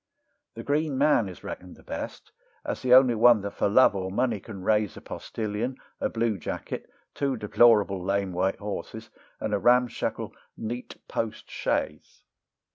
The Green Man is reckoned the best, as the only one that for love or money can raise A postillion, a blue jacket, two deplorable lame white horses, and a ramshackle "neat post chaise!"